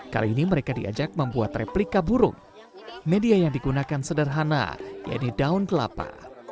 kali ini mereka diajak membuat replika burung media yang digunakan sederhana yaitu daun kelapa